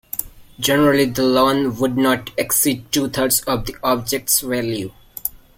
Generally, the loan would not exceed two thirds of the object's value.